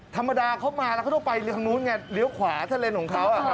ธรรมดาเขามาแล้วเขาต้องไปทางนู้นไงเลี้ยวขวาถ้าเลนของเขา